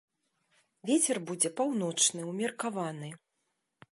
Вецер будзе паўночны, умеркаваны.